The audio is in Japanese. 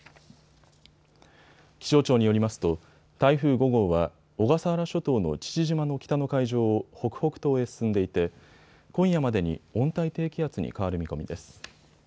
気象庁によりますと台風５号は小笠原諸島の父島の北の海上を北北東へ進んでいて今夜までに温帯低気圧に変わる見込みです。